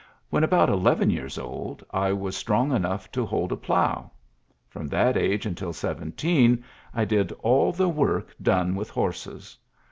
... When eleven years old, I was strong enou hold a plough. From that age seventeen I did all the work done horses.